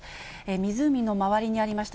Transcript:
湖の周りにありました